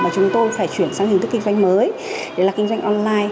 chúng tôi phải chuyển sang hình thức kinh doanh mới để là kinh doanh online